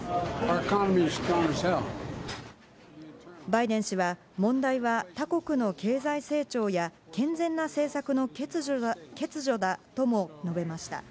バイデン氏は、問題は他国の経済成長や健全な政策の欠如だとも述べました。